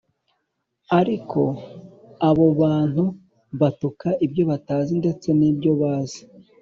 ariko abo bantu batuka ibyo batazi ndetse n’ibyo bazi